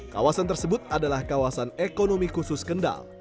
kawasan tersebut adalah kawasan ekonomi khusus kendal